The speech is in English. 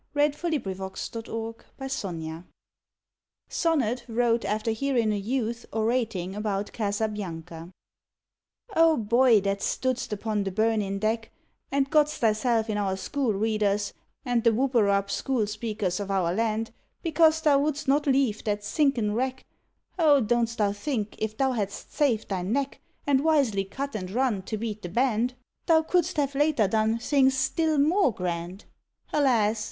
SONNETS OF A BUDDING BARD SONNET WROTE AFTER HEARIN A YOUTH ORATIN ABOUT "CASABIANCA" O BOY, that stood st upon the burnin deck And gotst thyself in our school readers and The " Whoop er up " school speakers of our land Because thou wouldst not leave that sinkin wreck, Oh, don tst thou think if thou hadst saved thy neck And wisely cut and run to beat the band, 59 SONNETS OF A BUDDING BARD Thou couldst have later done things still more grand? Alas!